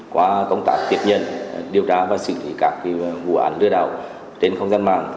qua công tác tiếp nhận điều tra và xử lý các vụ án lừa đảo trên không gian mạng